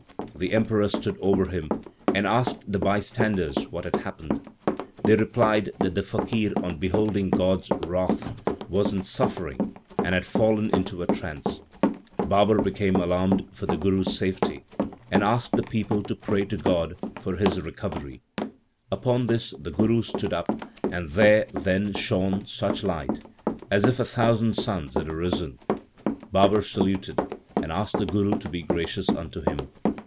The Emperor stood over him, and asked the bystanders what had happened. They replied that the faqir, on beholding God s wrath, was in suffering, and had fallen into a trance. Babar became alarmed for the Guru s safety, and asked the people to pray to God for his re 1 That is, no one despises them. 2 Tilang. LIFE OF GURU NANAK 121 covery. Upon this the Guru stood up, and there then shone such light as if a thousand suns had arisen. Babar saluted, and asked the Guru to be gracious unto him.